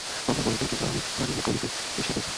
বাবা বলতো কিন্ত আমি মানি নি কলি যুগ এসে গেছে।